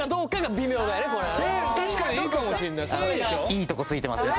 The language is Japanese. いいとこ突いてますね